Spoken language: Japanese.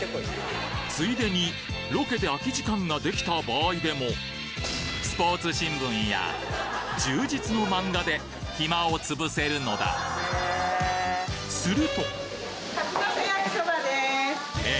ついでにロケで空き時間ができた場合でもスポーツ新聞や充実の漫画で暇を潰せるのだすると！え？